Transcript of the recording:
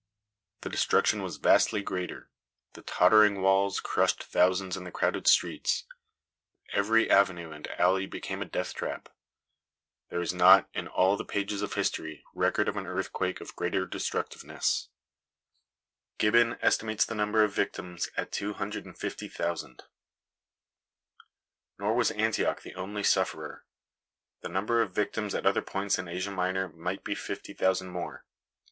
The destruction was vastly greater. The tottering walls crushed thousands in the crowded streets. Every avenue and alley became a death trap. There is not, in all the pages of history, record of an earthquake of greater destructiveness. Gibbon estimates the number of victims at two hundred and fifty thousand. [Illustration: MASSIVE ARCHITECTURE WRECKED, ASIA MINOR.] Nor was Antioch the only sufferer. The number of victims at other points in Asia Minor might be fifty thousand more.